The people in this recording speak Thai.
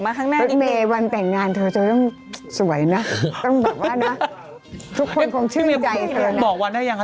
พระเมวันแต่งงานเธอก็ยังสวยนะ